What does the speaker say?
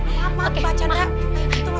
gak apa apa pak jandra